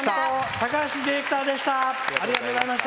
高橋ディレクターでした。